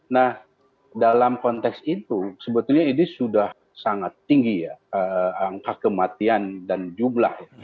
nah dalam konteks itu sebetulnya ini sudah sangat tinggi ya angka kematian dan jumlah ya